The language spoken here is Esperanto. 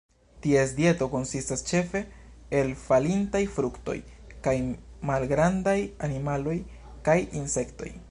Ties dieto konsistas ĉefe el falintaj fruktoj kaj malgrandaj animaloj, kaj insektoj.